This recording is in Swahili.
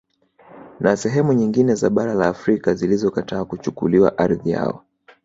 Na sehemu nyingine za bara la Afrika zilizokataa kuchukuliwa ardhi yao